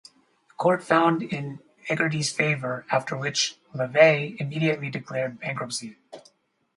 The court found in Hegarty's favour, after which LaVey immediately declared bankruptcy.